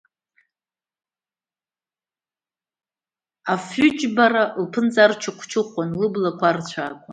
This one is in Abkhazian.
Афҩы-џьбара лԥынҵа арчыхәчыхәуан, лыблақәа арцәаакуан…